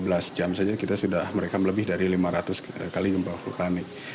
dua belas jam saja kita sudah merekam lebih dari lima ratus kali gempa vulkanik